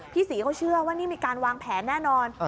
พี่ศรีเขาเชื่อว่านี่มีการวางแผนแน่นอน